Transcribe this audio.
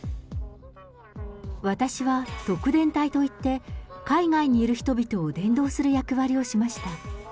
私は特伝隊といって、海外にいる人々を伝道する役割をしました。